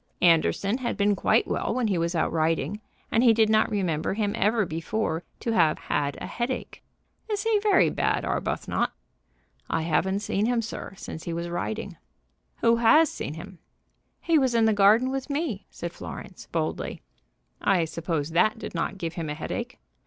Anderson had been quite well when he was out riding, and he did not remember him ever before to have had a headache. "Is he very bad, Arbuthnot?" "I haven't seen him, sir, since he was riding." "Who has seen him?" "He was in the garden with me," said Florence, boldly. "I suppose that did not give him a headache."